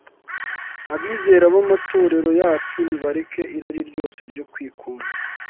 Abizera b’amatorero yacu nibareke irari ryose ryo kwikunda.